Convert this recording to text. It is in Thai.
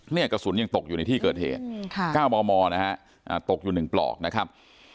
เนี่ยกระสุนยังตกอยู่ในที่เกิดเหตุ๙มมนะฮะตกอยู่๑ปลอกนะครับ